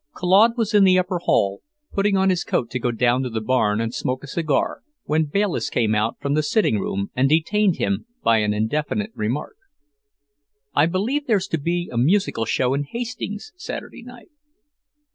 Claude was in the upper hall, putting on his coat to go down to the barn and smoke a cigar, when Bayliss came out from the sitting room and detained him by an indefinite remark. "I believe there's to be a musical show in Hastings Saturday night."